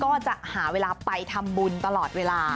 ก็จะหาเวลาไปทำบุญตลอดเวลา